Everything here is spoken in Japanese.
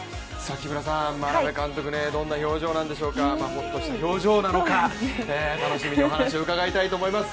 眞鍋監督どんな表情なんでしょうか、ホッとした表情なのか、楽しみにお話を伺いたいと思います。